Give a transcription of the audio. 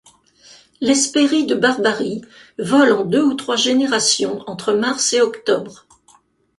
L'Hespérie de Barbarie vole en deux ou trois générations entre mars et octobre.